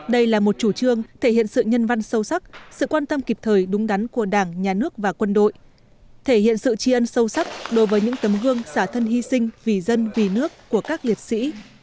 đây là một chủ trương thể hiện sự nhân văn sâu sắc sự quan tâm kịp thời đúng đắn của đảng nhà nước và quân đội thể hiện sự tri ân sâu sắc đối với những tấm gương xả thân hy sinh vì dân vì nước của các liệt sĩ